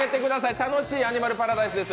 楽しいアニマルパラダイスです。